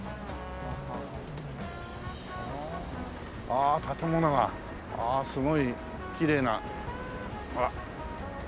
ああ建物がすごいきれいなほら。